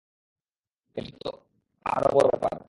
এটা তো আরো বড় ব্যপার!